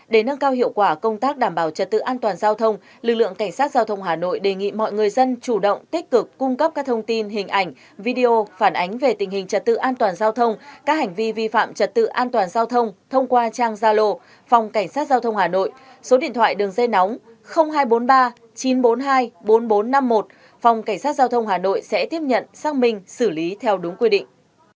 để nâng cao hiệu quả công tác đảm bảo trật tự an toàn giao thông lực lượng cảnh sát giao thông hà nội đề nghị mọi người dân chủ động tích cực cung cấp các thông tin hình ảnh video phản ánh về tình hình trật tự an toàn giao thông các hành vi vi phạm trật tự an toàn giao thông thông qua trang gia lộ phòng cảnh sát giao thông hà nội số điện thoại đường dây nóng hai trăm bốn mươi ba chín trăm bốn mươi hai bốn nghìn bốn trăm năm mươi một phòng cảnh sát giao thông hà nội sẽ tiếp nhận xác minh xử lý theo đúng quy định